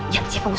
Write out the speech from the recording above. siap siap boos